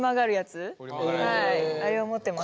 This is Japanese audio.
あれを持ってます。